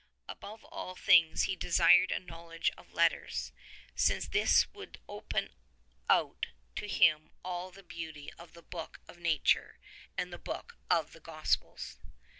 Above all things he desired a knowledge of letters, since this would open out to him all the beauty of the Book of Nature and the Book of the Gospels.